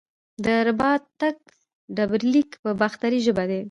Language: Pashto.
د رباتک ډبرلیک په باختري ژبه دی